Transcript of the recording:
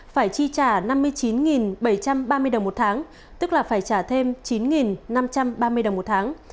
phải chi trả năm mươi chín bảy trăm ba mươi đồng một tháng tức là phải trả thêm chín năm trăm ba mươi đồng một tháng